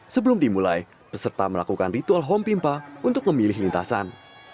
sebelum dimulai peserta melakukan ritual hompimpa untuk memilih lintasan